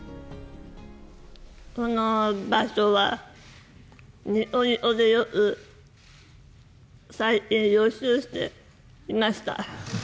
この場所は、ニコニコでよく、最近予習していました。